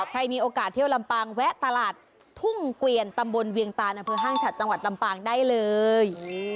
ใครมีโอกาสเที่ยวลำปางแวะตลาดทุ่งเกวียนตำบลเวียงตานอำเภอห้างฉัดจังหวัดลำปางได้เลย